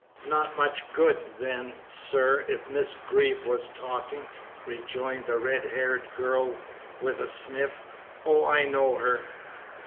"Not much good, then, sir, if Miss Greeb was talking," rejoined the red haired girl, with a sniff. "Oh, I know her."